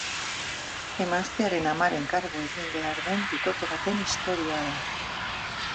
Emaztearen amaren kargu egin behar den bikote baten istorioa da.